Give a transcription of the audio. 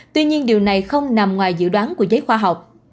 tuy nhiên điều này không nằm ngoài dự đoán của giới khoa học